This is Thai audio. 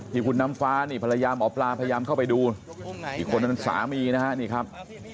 ที่คุณน้ำฟ้านี่ภรรยาหมอปลาพยายามเข้าไปดูอีกคนเป็นสามีนะฮะนี่ครับ